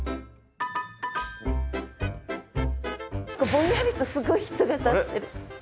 ぼんやりとすごい人が立ってる。